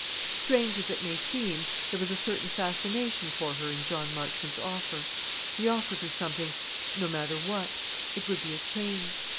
Strange as it may seem, there was a certain fascination for her in John Marchmont's offer. He offered her something, no matter what; it would be a change.